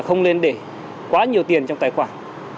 không nên để quá nhiều tiền trong tài khoản